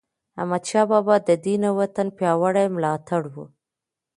احمدشاه بابا د دین او وطن پیاوړی ملاتړی و.